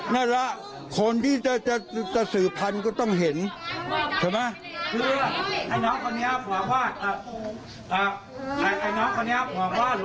นั่นแหละคนที่จะสืบพันธุ์ก็ต้องเห็นใช่ไหม